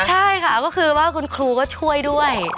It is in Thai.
ใช่ค่ะก็คือว่าคุณครูก็ช่วยด้วย